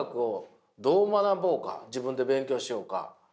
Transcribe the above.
自分で勉強しようか？